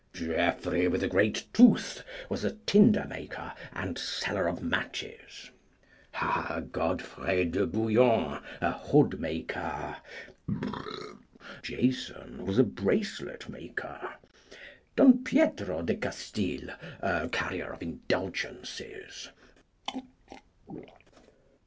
Geoffrey with the great tooth was a tinder maker and seller of matches. Godfrey de Bouillon, a hood maker. Jason was a bracelet maker. Don Pietro de Castille, a carrier of indulgences.